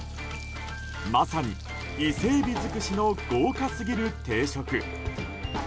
まさにイセエビ尽くしの豪華すぎる定食。